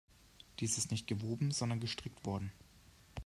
Dies ist nicht gewoben, sondern gestrickt worden.